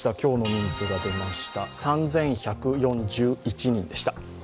３１４１人でした。